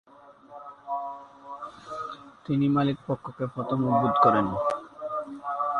তিনি মালিকপক্ষকে প্রথম উদ্বুদ্ধ করেন।